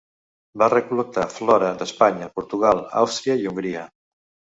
Va recol·lectar flora d'Espanya, Portugal, Àustria i Hongria.